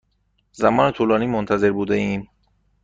زمان طولانی منتظر بوده ایم.